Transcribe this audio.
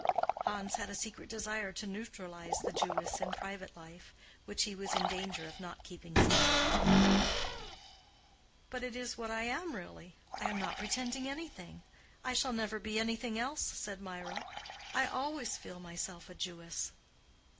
Hans had a secret desire to neutralize the Jewess in private life, which he was in danger of not keeping secret. "But it is what I am really. I am not pretending anything. I shall never be anything else," said Mirah. "I always feel myself a Jewess."